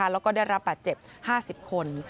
แล้วก็ได้รับบาดเจ็บ๕๐คน